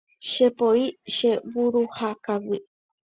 chepoi che vuruhákagui